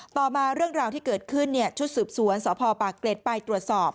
ต่อมาเรื่องราวที่เกิดขึ้นชุดสืบสวนสพปากเกร็ดไปตรวจสอบ